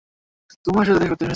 তো তুমি তার সাথেই দেখা করতে এসেছ?